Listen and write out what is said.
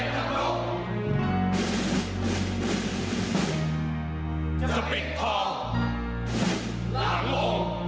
จะเป็นทองหลังหลวงพระบาทิวะ